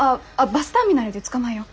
バスターミナルで捕まえよう。